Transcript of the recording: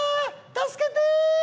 助けてー！